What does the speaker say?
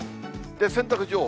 洗濯情報。